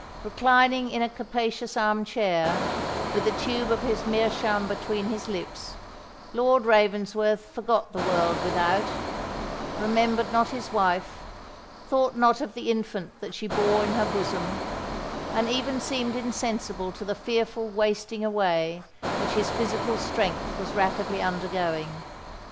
Reclining in a capacious arm chair, with the tube of his meerschaum between his lips, Lord Ravensworth forgot the world without,—remembered not his wife,—thought not of the infant that she bore in her bosom,—and even seemed insensible to the fearful wasting away which his physical strength was rapidly undergoing.